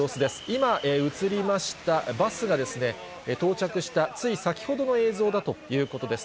今、映りましたバスが、到着した、つい先ほどの映像だということです。